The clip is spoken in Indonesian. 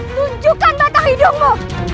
tunjukkan batang hidungmu